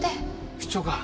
出張か。